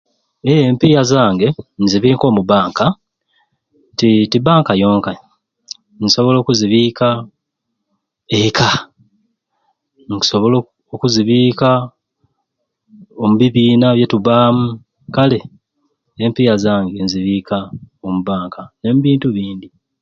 Eeeh empiiya zange nzibika omu bank ti tibanka yonkai nsobola okuzibika ekka nkosobola okuzibika omu bibiina byetubamu kale empiiya zange nzibika omu bank n'ebintu ebindi